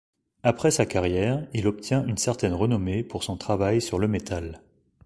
Après sa carrière, il obtient une certaine renommée pour son travail sur le métal.